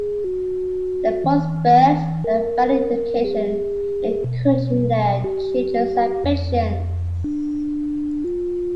They prospered and valued education, encouraging their children's ambitions.